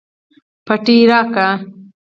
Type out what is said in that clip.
پټۍ راکړه